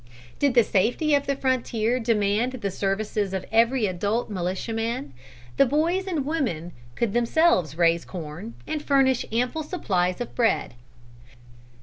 Did the safety of the frontier demand the services of every adult militiaman, the boys and women could themselves raise corn, and furnish ample supplies of bread.